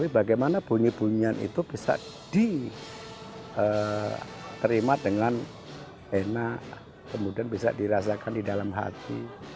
bagaimana bunyi bunyian itu bisa diterima dengan enak kemudian bisa dirasakan di dalam hati